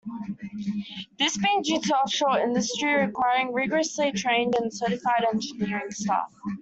This being due to the offshore industry requiring rigorously trained and certified engineering staff.